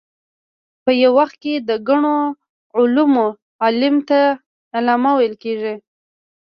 په یو وخت کې د ګڼو علومو عالم ته علامه ویل کېږي.